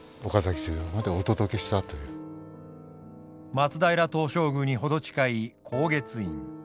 松平東照宮に程近い高月院。